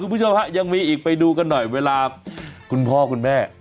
คุณผู้ชมฮะยังมีอีกไปดูกันหน่อยเวลาคุณพ่อคุณแม่